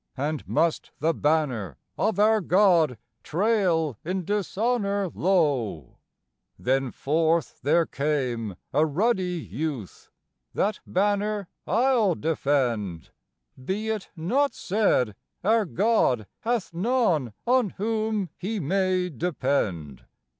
And must the banner of our God trail in dishonor low?" Then forth there came a ruddy youth: "That banner I'll defend; Be it not said our God hath none on whom He may depend.